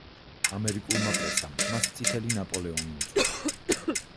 ამერიკულმა პრესამ მას „წითელი ნაპოლეონი“ უწოდა.